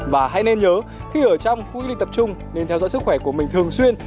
và hãy nên nhớ khi ở trong khu cách ly tập trung nên theo dõi sức khỏe của mình thường xuyên